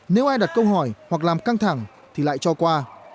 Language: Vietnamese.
nếu ai đặt câu hỏi hoặc làm căng thẳng thì lại cho qua